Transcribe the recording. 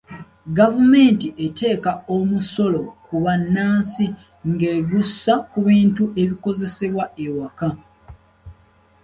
Gavumenti eteeka omusolo ku bannansi ng'egussa ku bintu ebikozesebwa ewaka.